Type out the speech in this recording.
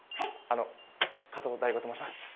あの加藤大悟と申します。